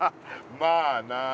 まあな。